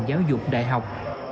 giáo dục đại học